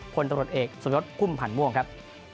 คนตรวจเอกสมรสคุมผ่านม่วงครับ